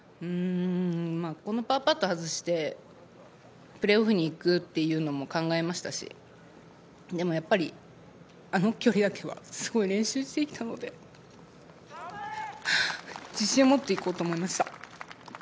このパーパットを外して、プレーオフに行くというのも考えましたし、でもやっぱり、あの距離だけは、すごい練習してきたので、自信を持っていこうと思いました。